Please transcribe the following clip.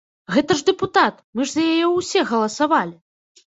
Гэта ж дэпутат, мы ж за яе ўсе галасавалі!